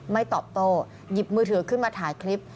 ตอบโต้หยิบมือถือขึ้นมาถ่ายคลิป